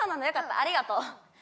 ありがとう。